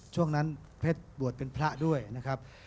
ช่วงนั้นเพชรบวชเป็นพระด้วยนะครับ